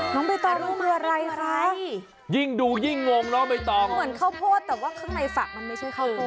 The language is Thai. น้องเบตอลงรวดอะไรคะยิ่งดูยิ่งงงเนาะเบตอลเหมือนข้าวโพดแต่ว่าข้างในฝักมันไม่ใช่ข้าวโพด